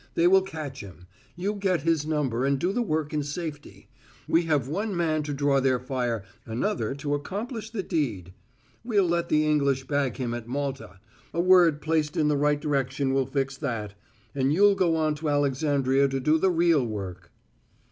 They will catch him; you get his number and do the work in safety. We have one man to draw their fire, another to accomplish the deed. We'll let the English bag him at Malta a word placed in the right direction will fix that and you'll go on to Alexandria to do the real work."